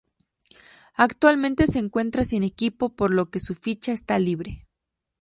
Actualmente se encuentra sin equipo, por lo que su ficha está libre.